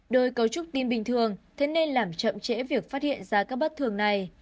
đôi cấu trúc tim bình thường thế nên làm chậm chẽ việc phát hiện ra các bất thường này